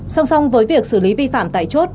song song với việc xử lý vi phạm tại chốt